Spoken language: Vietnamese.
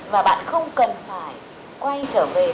và bạn không cần phải quay trở về